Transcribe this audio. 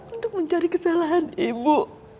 untuk mencari kesalahan ibu